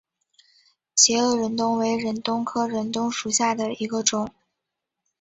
截萼忍冬为忍冬科忍冬属下的一个种。